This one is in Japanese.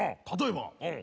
例えば。